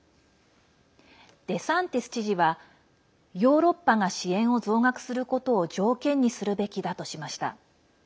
デサンティス知事はヨーロッパが支援を増額することを条件にするべきだとしました。